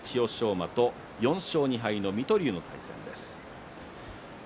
馬と４勝２敗の水戸龍戦です。